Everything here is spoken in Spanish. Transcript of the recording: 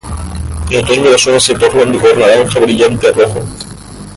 En otoño, las hojas se tornan de color naranja brillante a rojo.